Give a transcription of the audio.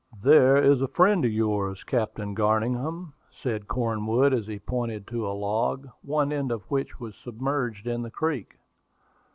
"There is a friend of yours, Captain Garningham," said Cornwood, as he pointed to a log, one end of which was submerged in the creek.